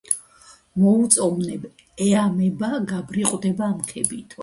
მოვუწონებ ეამება გაბრიყვდება ამ ქებითო